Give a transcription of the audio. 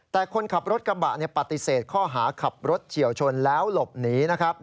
แต่คนขับรถกระบะปฏิเสธข้อหาขับรถเฉียวชนแล้วหลบหนีนะครับ